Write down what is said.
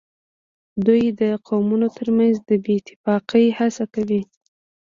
دوی د قومونو ترمنځ د بې اتفاقۍ هڅه کوي